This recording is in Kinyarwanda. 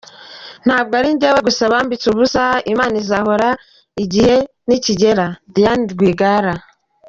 Ntabwo ari njyewe gusa bambitse ubusa …Imana izahora igihe nikigera” Diane Rwigara .